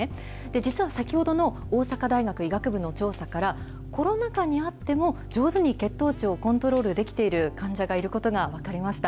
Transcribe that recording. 実は先ほどの大阪大学医学部の調査から、コロナ禍にあっても、上手に血糖値をコントロールできている患者がいることが分かりました。